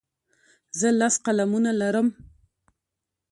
زه لس قلمونه لرم.